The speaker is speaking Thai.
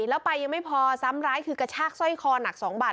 แล้วไปยังไม่พอซ้ำร้ายคือกระชากสร้อยคอหนัก๒บาท